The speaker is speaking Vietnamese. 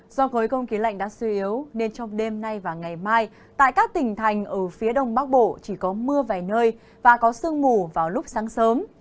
do khối không khí lạnh đã suy yếu nên trong đêm nay và ngày mai tại các tỉnh thành ở phía đông bắc bộ chỉ có mưa vài nơi và có sương mù vào lúc sáng sớm